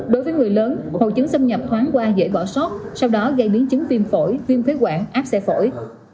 đối với người lớn hồ chứng xâm nhập thoáng qua dễ bỏ sót sau đó gây biến chứng phim phổi phim phế quản áp xe phổi